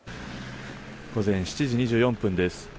午前７時２４分です。